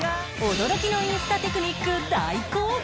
驚きのインスタテクニック大公開！